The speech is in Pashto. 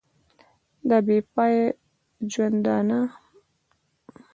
دا بې پایه ژوندانه ده.